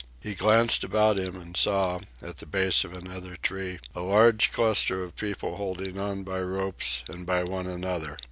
He glanced about him and saw, at the base of another tree, a large cluster of people holding on by ropes and by one another.